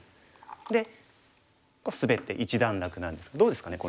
でスベって一段落なんですがどうですかね